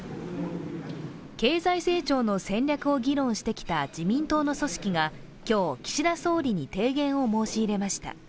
経済成長の戦略を議論してきた自民党の組織が今日、岸田総理に提言を申し入れました。